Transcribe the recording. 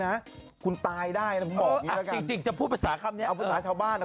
อันตรายจริงนะอันตรายจริงนะ